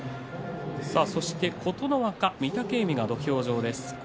琴ノ若、御嶽海が土俵上です。